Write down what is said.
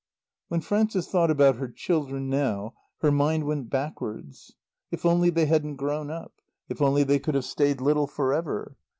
When Frances thought about her children now her mind went backwards. If only they hadn't grown up; if only they could have stayed little for ever!